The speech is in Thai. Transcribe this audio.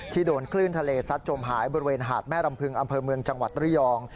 โดนคลื่นทะเลซัดจมหายบริเวณหาดแม่รำพึงอำเภอเมืองจังหวัดระยอง